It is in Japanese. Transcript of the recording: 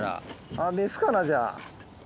あっメスかなじゃあ。